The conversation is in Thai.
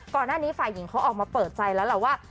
ก่อนหน้านี้ฝ่ายหญิงเขาออกมาเปิดใจแล้วล่ะว่า